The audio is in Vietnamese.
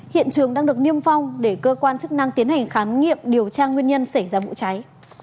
hiện trường đang được niêm phong để cơ quan chức năng tiến hành khám nghiệm điều tra nguyên nhân xảy ra vụ cháy